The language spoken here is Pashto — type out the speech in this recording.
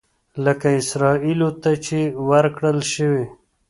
لکه اسرائیلو ته چې ورکړل شوي.